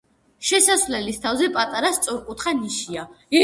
შესასვლელის თავზე პატარა სწორკუთხა ნიშია.